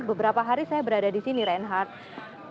beberapa hari saya berada disini renhardt